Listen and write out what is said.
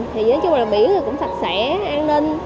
thì nói chung là biển thì cũng sạch sẽ an ninh